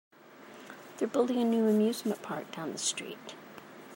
They're building a new amusement park down the street.